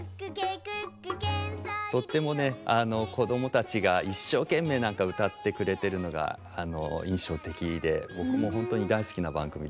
とってもね子供たちが一生懸命歌ってくれてるのが印象的で僕も本当に大好きな番組です。